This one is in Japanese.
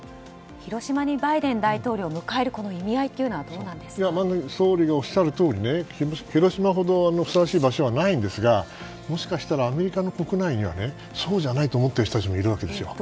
広島にバイデン大統領を迎える意味合いというのは総理がおっしゃるとおり広島ほどふさわしい場所はないんですがもしかしたらアメリカの国内にはそうじゃないと思っている人もいるわけですよ。